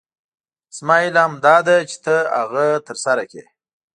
زما هیله همدا ده چې ته هغه تر سره کړې.